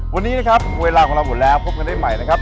วันนี้นะครับเวลาของเราหมดแล้วพบกันได้ใหม่นะครับ